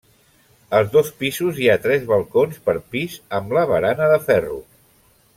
Als dos pisos hi ha tres balcons per pis amb la barana de ferro.